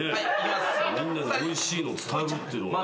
みんなにおいしいのを伝えるっていうのがね。